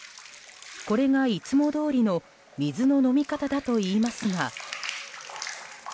これがいつもどおりの水の飲み方だといいますが。